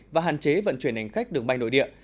và hạn chế vận chuyển hành khách đường bay nội địa